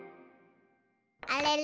あれれ？